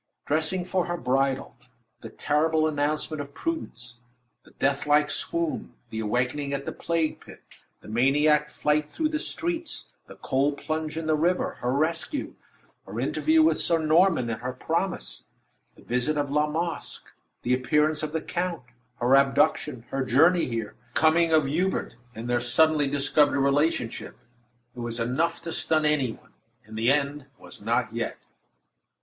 Dressing for her bridal; the terrible announcement of Prudence; the death like swoon; the awakening at the plague pit; the maniac flight through the streets; the cold plunge in the river; her rescue; her interview with Sir Norman, and her promise; the visit of La Masque; the appearance of the count; her abduction; her journey here; the coming of Hubert, and their suddenly discovered relationship. It was enough to stun any one; and the end was not yet.